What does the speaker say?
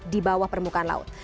di bawah permukaan laut